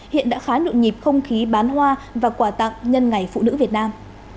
hiện đã khá nội nhịp không khí bán hoa và quà tặng nhân ngày phụ nữ việt nam